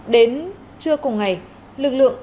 đến trưa cùng ngày lực lượng